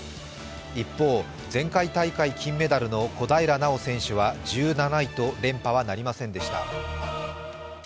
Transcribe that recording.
一方、前回大会、金メダルの小平奈緒選手は１７位と連覇はなりませんでした。